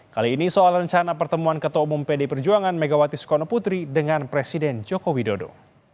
kali ini soal rencana pertemuan ketua umum pd perjuangan megawati soekarno putri dengan presiden joko widodo